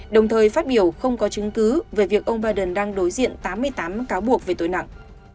đồng thời phát biểu không có chứng cứ về việc ông biden đang đối diện tám mươi tám cáo buộc về tội nặng